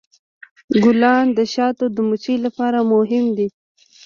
ګلان د شاتو د مچیو لپاره مهم دي.